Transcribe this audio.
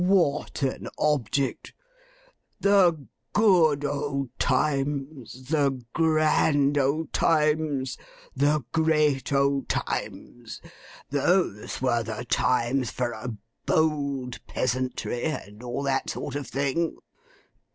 What an object! The good old times, the grand old times, the great old times! Those were the times for a bold peasantry, and all that sort of thing.